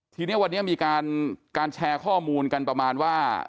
ทีนี้วันนี้มีการแชร์ข้อมูลกันประมาณว่า